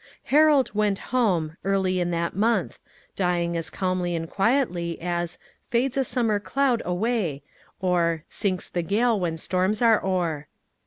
Harold "went home," early in that month, dying as calmly and quietly as "fades a summer cloud away," or "sinks the gale when storms are o'er."